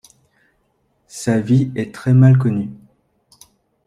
Sa vie est très mal connue.